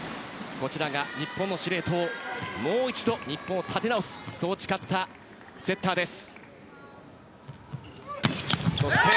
日本の司令塔もう一度、日本を立て直すと誓ったセッターです。